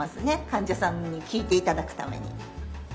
患者さんに聴いて頂くために。